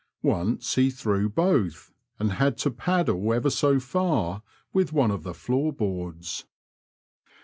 Once he threw both, and had to paddle ever so far with one of the floor boards.